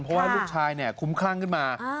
เพราะว่าลูกชายเนี่ยคุ้มคลั่งขึ้นมา